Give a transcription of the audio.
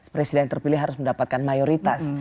presiden terpilih harus mendapatkan mayoritas